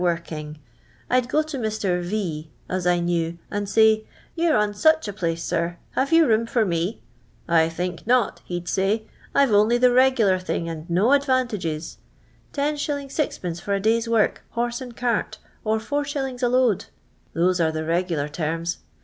jrkinif. I 'd go to Mr. V as I knew, and say, * You 're on such a place, sir, have you room for me V • I think not.' he *d say, * I "ve only the regular thing and no advantages — 10*. 6t/. for a day's work, hor.se and cart, or 4*. a load.' Those are the regular terms.